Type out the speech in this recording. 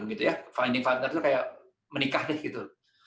menemukan partner itu kayak menikah gitu